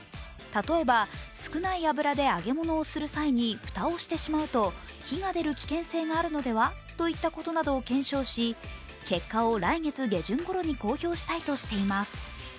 例えば少ない油で揚げ物をする際に蓋をしてしまうと、火が出る危険性があるのではなど検証し結果を来月下旬ころに公表したいとしています。